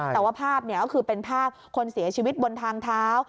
แต่ว่าภาพก็คือเป็นภาพคนเสียชีวิตบนทางเท้า